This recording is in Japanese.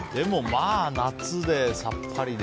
まあ夏でさっぱりで。